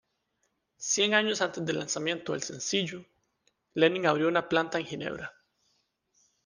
Cien años antes del lanzamiento del sencillo, Lenin abrió una planta en Ginebra.